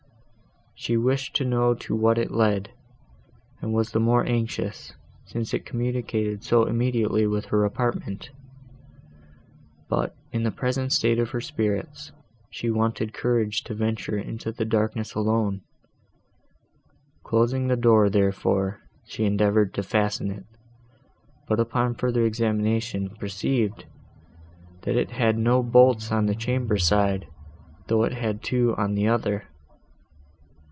She wished to know to what it led, and was the more anxious, since it communicated so immediately with her apartment; but, in the present state of her spirits, she wanted courage to venture into the darkness alone. Closing the door, therefore, she endeavoured to fasten it, but, upon further examination, perceived, that it had no bolts on the chamber side, though it had two on the other.